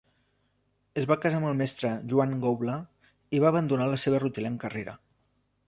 Es va casar amb el mestre Joan Goula i va abandonar la seva rutilant carrera.